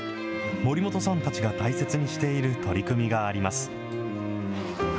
守本さんたちが大切にしている取り組みがあります。